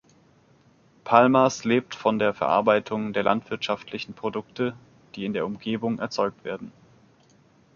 Palmas lebt von der Verarbeitung der landwirtschaftlichen Produkte, die in der Umgebung erzeugt werden.